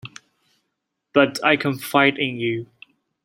But I confide in you.